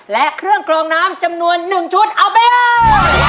และเครื่องกรองน้ำจำนวน๑ชุดเอาไปเลย